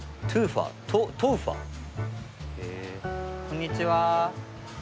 こんにちは。